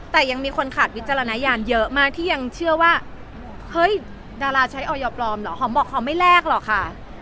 แต่ยังมีคนขาดวิจารณญาณเยอะมากที่ยังเชื่อว่าเฮ้ยดาราใช้ออยปลอมเหรอหอมบอกหอมไม่แลกหรอกค่ะ